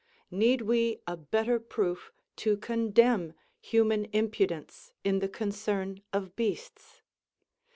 Need we a better proof to condemn human impudence in the concern of beasts?